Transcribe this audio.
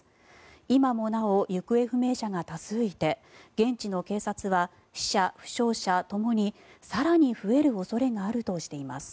今もなお行方不明者が多数いて現地の警察は死者・負傷者ともに更に増える恐れがあるとしています。